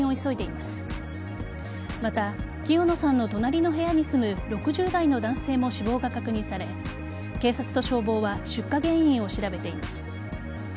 また、清野さんの隣の部屋に住む６０代の男性も死亡が確認され警察と消防は出火原因を調べています。